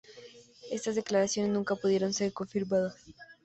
Estas declaraciones nunca pudieron ser confirmadas.